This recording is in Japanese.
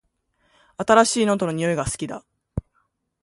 新しいノートの匂いが好きだ